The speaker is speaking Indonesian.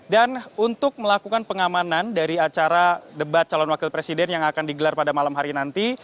dan untuk melakukan pengamanan dari acara debat calon wakil presiden yang akan digelar pada malam hari nanti